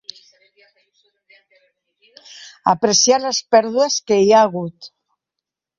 Apreciar les pèrdues que hi ha hagut.